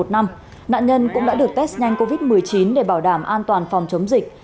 nạn nhân cũng đã được test nhanh covid một mươi chín để bảo đảm an toàn phòng chống dịch